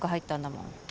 もん